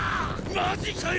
マジかよ